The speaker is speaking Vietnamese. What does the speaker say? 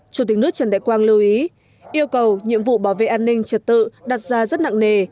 chủ tịch nước trần đại quang lưu ý yêu cầu nhiệm vụ bảo vệ an ninh trật tự đặt ra rất nặng nề